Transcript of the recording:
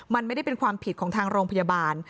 มันไม่ได้เป็นความผิดของทางโรงพยาบาล